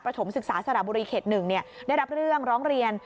ถมศึกษาสระบุรีเขต๑ได้รับเรื่องร้องเรียน